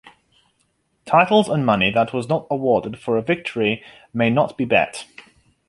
Titles and money that was not awarded for a victory may not be bet.